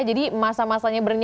jadi masa masanya bernyanyi